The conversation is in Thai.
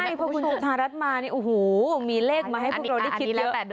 ใช่คุณจุฐรัฐมานี่โอ้โหมีเลขมาให้พวกเราได้คิดเยอะ